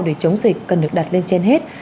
để chống dịch cần được đặt lên trên hết